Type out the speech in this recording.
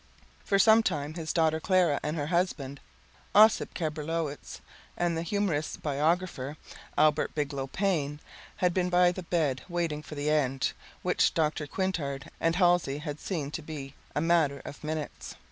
For some time, his daughter Clara and her husband, Ossip Cabrilowitsch, and the humorist's biographer, Albert Bigelow Paine, had been by the bed waiting for the end, which Drs. Quintard and Halsey had seen to be a matter of minutes.